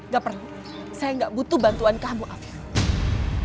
gak perlu saya gak butuh bantuan kamu afif